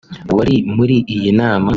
wari muri iyi nama